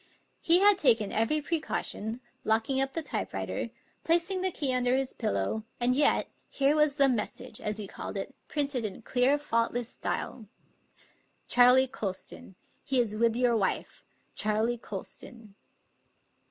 He had taken every precaution, locking up the typewriter, placing the key under his pillow; and yet, here was the message, as he called it, printed in clear, faultless style: Charley Colston. He is with your wife Charley Colston."